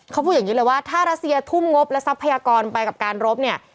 เขาพูดอย่างนี้เลยว่าถ้ารัสเซียทุ่มงบและทรัพยากรไปกับการรบเนี่ย